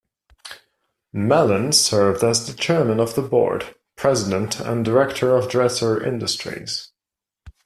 Mallon served as the Chairman of the Board, President and Director of Dresser Industries.